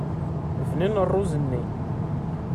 Bnin rruẓ-nni.